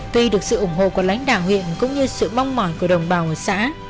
tuy được sự ủng hộ của lãnh đạo huyện cũng như sự mong mỏi của đồng bào ở xã